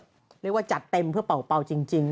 เรียกว่าจัดเต็มเพื่อเป่าจริง